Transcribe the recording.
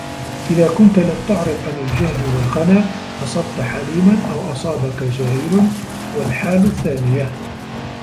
إذَا كُنْت لَمْ تُعْرِضْ عَنْ الْجَهْلِ وَالْخَنَا أَصَبْت حَلِيمًا أَوْ أَصَابَك جَاهِلُ وَالْحَالُ الثَّانِيَةُ